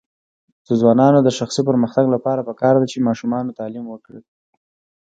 د ځوانانو د شخصي پرمختګ لپاره پکار ده چې ماشومانو تعلیم ورکړي.